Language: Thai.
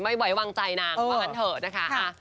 ไม่ไหววางใจนางเพราะฉะนั้นเถอะนะคะ